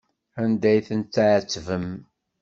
Anda ay ten-tɛettbem?